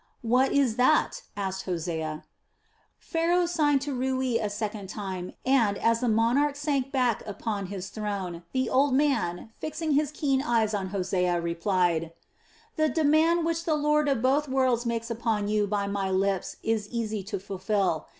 "What is that?" asked Hosea. Pharaoh signed to Rui a second time and, as the monarch sank back upon his throne, the old man, fixing his keen eyes on Hosea, replied: "The demand which the lord of both worlds makes upon you by my lips is easy to fulfil.